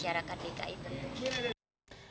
saya juga bisa jadi orang yang bermanfaat